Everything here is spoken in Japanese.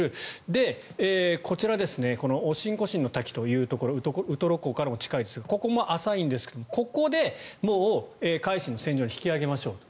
で、こちらオシンコシンの滝というところウトロ港からも近いですがここも浅いんですがここでもう「海進」の船上に引き揚げましょうと。